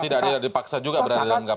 tidak dipaksa juga berada di dalam kpk